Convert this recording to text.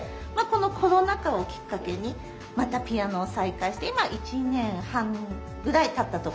このコロナ禍をきっかけにまたピアノを再開して今１年半ぐらいたったところですかね。